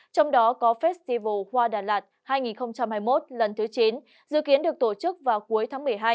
trong đó có festival hoa đà lạt hai nghìn hai mươi một lần thứ chín dự kiến được tổ chức vào cuối tháng một mươi hai